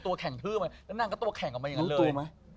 ตัวแข่งคือมาแล้วนางก็ตัวแข่งออกมาอย่างนั้นเลย